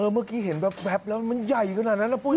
เมื่อกี้เห็นแบบแล้วมันใหญ่อยู่ขนาดนั้นนะปุ๊ย